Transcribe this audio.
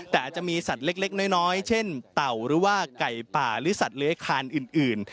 แต่อาจจะมีสัตว์เล็กน้อยเช่นเต่าหรือว่าไก่ป่าหรือสัตว์เลื้อยคานอื่น